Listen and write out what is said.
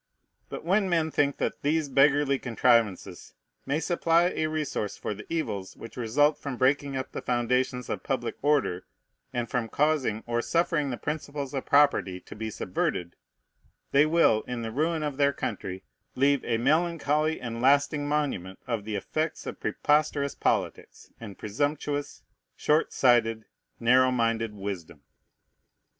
But when men think that these beggarly contrivances may supply a resource for the evils which result from breaking up the foundations of public order, and from causing or suffering the principles of property to be subverted, they will, in the ruin of their country, leave a melancholy and lasting monument of the effect of preposterous politics, and presumptuous, short sighted, narrow minded wisdom.